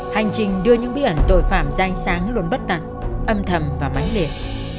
hành trình đưa những bí ẩn tội phạm danh sáng luôn bất tặng âm thầm và bánh liệt